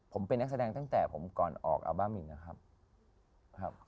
ผมเป็นนักแสดงตั้งแต่ผมก่อนออกอัลบั้มอีกนะครับครับ